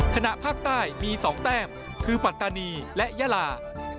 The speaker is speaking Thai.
ณภาคใต้มี๒แต้มคือปัตตานีและยาลา